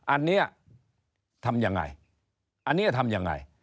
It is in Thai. อันนี้ทำอย่างไรอันนี้ทำอย่างไร